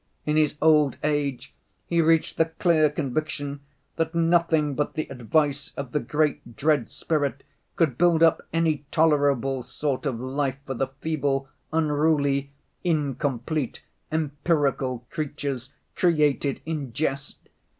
In his old age he reached the clear conviction that nothing but the advice of the great dread spirit could build up any tolerable sort of life for the feeble, unruly, 'incomplete, empirical creatures created in jest.